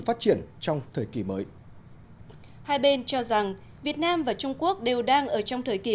phát triển trong thời kỳ mới hai bên cho rằng việt nam và trung quốc đều đang ở trong thời kỳ